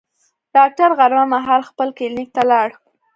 ډاکټر غرمه مهال خپل کلینیک ته لاړ.